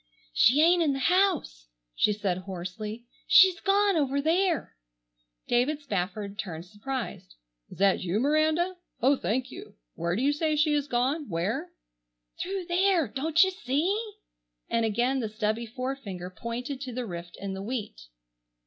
"She ain't in the house," she said hoarsely. "She's gone over there!" David Spafford turned surprised. "Is that you, Miranda? Oh, thank you! Where do you say she has gone? Where?" "Through there, don't you see?" and again the stubby forefinger pointed to the rift in the wheat.